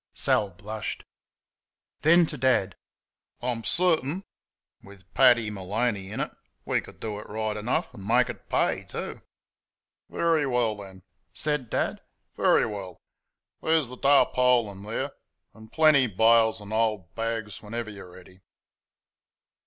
Sal blushed. Then to Dad: "I'm certain, with Paddy Maloney in it, we could do it right enough, and make it pay, too." "Very well, then," said Dad, "very well. There's th' tarpaulin there, and plenty bales and old bags whenever you're ready."